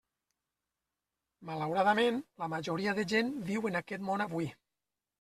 Malauradament, la majoria de gent viu en aquest món avui.